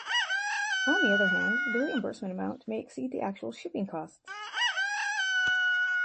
On the other hand, the reimbursement amount may exceed the actual shipping costs.